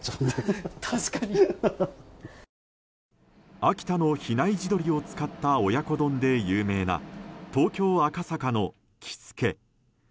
秋田の比内地鶏を使った親子丼で有名な東京・赤坂のきすけ。